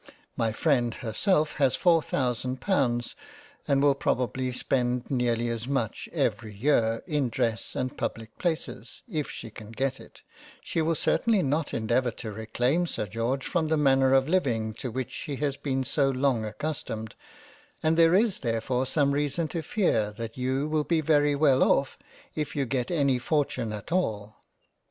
My freind herself has four thousand pounds, and will probably spend nearly as much every year in Dress and Public places, if she can get it — she will certainly not endeavour to reclaim Sir George from the manner of living to which he has been so long accustomed, and there is therefore some reason to fear that you will be very well off, if you get any fortune at all.